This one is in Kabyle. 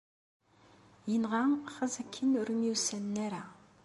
Inɣa xas akken ur myussanen ara.